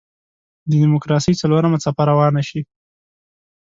د دیموکراسۍ څلورمه څپه روانه شي.